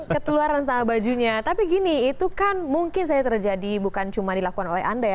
keteluaran sama bajunya tapi gini itu kan mungkin saja terjadi bukan cuma dilakukan oleh anda ya